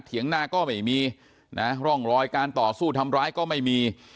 หน้าก็ไม่มีนะร่องรอยการต่อสู้ทำร้ายก็ไม่มี